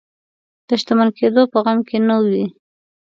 د شتمن کېدلو په غم کې نه وي.